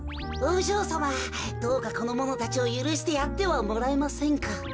おじょうさまどうかこのものたちをゆるしてやってはもらえませんか？